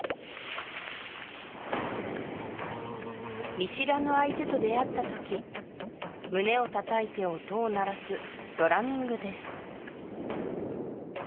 見知らぬ相手と出会った時胸を叩いて音を鳴らすドラミングです